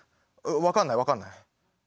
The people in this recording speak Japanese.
分かんない分かんない。